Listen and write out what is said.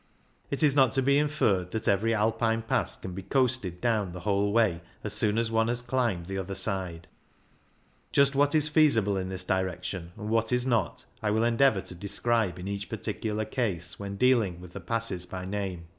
It is not to be inferred that eyery Alpine pass can be coasted down the whole way as soon as one has climbed the other side ; just what is feasible in this direction and what is not I will endeavour to describe in each particular case when dealing with the passes by name.